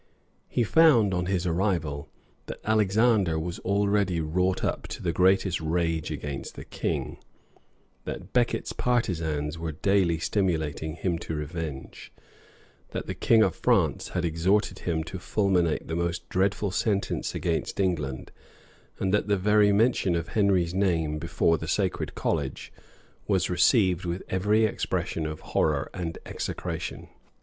He found, on his arrival, that Alexander was already wrought up to the greatest rage against the king, that Becket's partisans were daily stimulating him to revenge, that the king of France had exhorted him to fulminate the most dreadful sentence against England, and that the very mention of Henry's name before the sacred college, was received with every expression of horror and execration.